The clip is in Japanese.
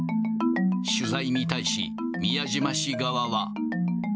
取材に対し、宮島氏側は。